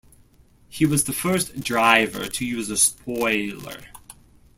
He was the first driver to use a spoiler.